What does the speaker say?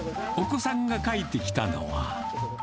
お子さんが描いてきたのは。